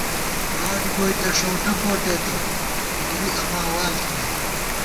واٹ گوئی تہ ݭؤٹہ کوٹېتہ، نوری اماں وال تھنَئیت